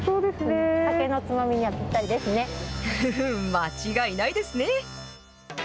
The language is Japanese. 間違いないですね。